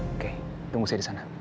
oke tunggu saya disana